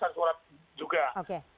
nah ini sudah pernah dinyatakan